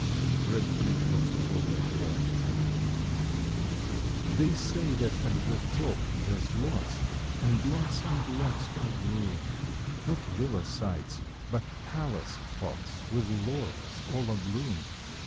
February Twelfth THE LONELY HEIGHTS HPHEY say that at the top there's lots And lots and lots of room — Not villa sites, but palace plots, With laurels all abloom.